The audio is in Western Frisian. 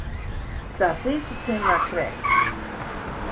Dat is it him mar krekt.